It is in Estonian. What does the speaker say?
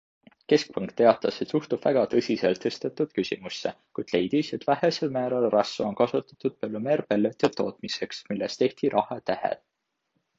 Keskpank teatas, et suhtub väga tõsiselt tõstatatud küsimusse, kuid leidis, et vähesel määral rasva on kasutatud polümeerpelletite tootmiseks, millest tehti rahatähed.